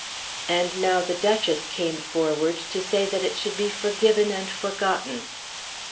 And now the Duchess came forward to say that it should be forgiven and forgotten.